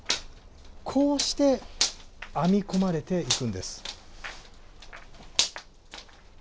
こうして編み込まれていくんです。